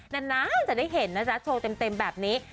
นานจะได้เห็นนะจ๊ะโชว์เต็มแบบนี้